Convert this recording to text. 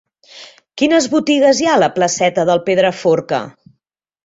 Quines botigues hi ha a la placeta del Pedraforca?